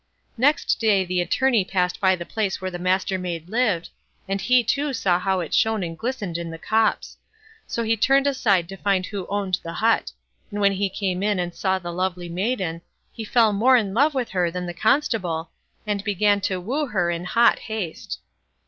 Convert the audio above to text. Next day the Attorney passed by the place where the Mastermaid lived, and he too saw how it shone and glistened in the copse; so he turned aside to find out who owned the hut; and when he came in and saw the lovely maiden, he fell more in love with her than the Constable, and began to woo her in hot haste.